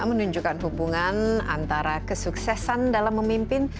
menunjukkan hubungan antara kesuksesan dalam memimpin